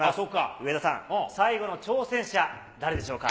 上田さん、最後の挑戦者、誰でしょうか。